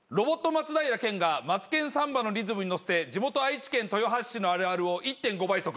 松平健が『マツケンサンバ』のリズムに乗せて地元愛知県豊橋市のあるあるを１．５倍速で。